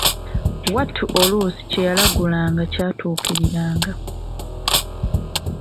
Mwattu oluusi kyeyalagulanga kyatuukiriranga!